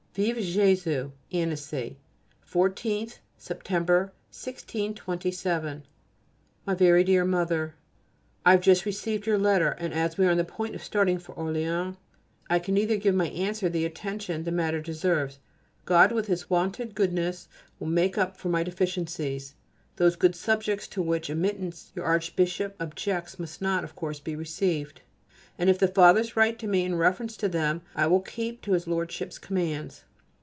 _ Vive [+] Jésus! ANNECY, 14th September, 1627. MY VERY DEAR MOTHER, I have just received your letter, and as we are on the point of starting for Orleans I can neither give my answer the attention the matter deserves, God with His wonted goodness will make up for my deficiencies. Those good subjects to whose admittance your Archbishop objects must not, of course, be received, and if the Fathers write to me in reference to them I will keep to his Lordship's commands.